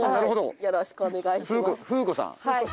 よろしくお願いします